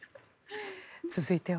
続いては。